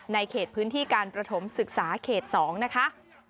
เขตพื้นที่การประถมศึกษาเขต๒นะคะ